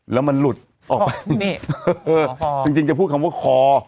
แล้วมันหลุดออกไปนี่เออจริงจะพูดคำว่าคอ